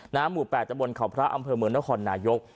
น้ำหมูแปดเจ้าบนข่าวพระอำเภอเมืองนครนายก